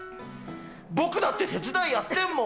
僕だって手伝いやってるもん！